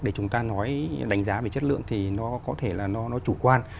để chúng ta nói đánh giá về chất lượng thì nó có thể là nó chủ quan